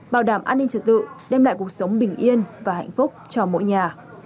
bảo đảm an ninh trật tự đem lại cuộc sống bình yên và hạnh phúc cho mỗi nhà